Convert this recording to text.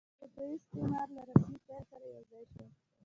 دا د اروپایي استعمار له رسمي پیل سره یو ځای شول.